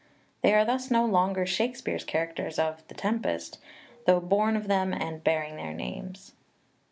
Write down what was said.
They are thus no longer Shake speare's characters of "The Tempest," though born of them and bearing their names.